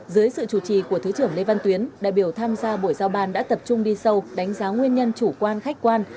dưới sự chủ trì của thứ trưởng lê văn tuyến đại biểu tham gia buổi giao ban đã tập trung đi sâu đánh giá nguyên nhân chủ quan khách quan